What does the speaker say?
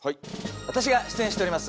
私が出演しております